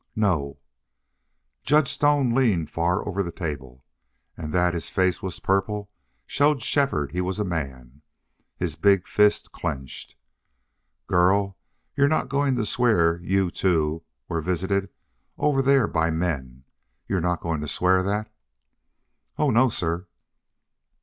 "No." Judge Stone leaned far over the table, and that his face was purple showed Shefford he was a man. His big fist clenched. "Girl, you're not going to swear you, too, were visited over there by men... You're not going to swear that?" "Oh no, sir!"